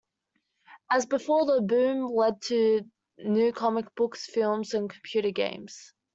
As before, the boom led to new comic books, films and computer games.